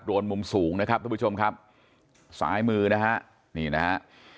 มุมสูงนะครับทุกผู้ชมครับซ้ายมือนะฮะนี่นะฮะ